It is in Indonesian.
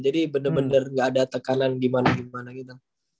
jadi bener bener gak ada tekanan gimana gimana gitu